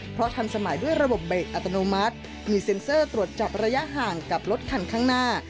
เพราะทันสมัยด้วยระบบเบรกอัตโนมัติมีเซ็นเซอร์ตรวจจับระยะห่างกับรถคันข้างหน้า